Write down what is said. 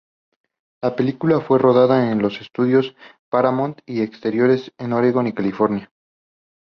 La película fue rodada en los estudios Paramount y exteriores en Oregón y California.